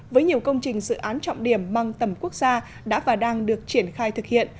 với nhiều công trình dự án trọng điểm mang tầm quốc gia đã và đang được triển khai thực hiện